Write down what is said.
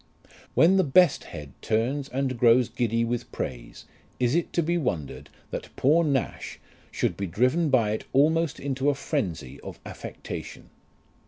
"When the best head turns and grows giddy with praise, is it to be wondered that poor Nash should be driven by it almost into a phrenzy of affectation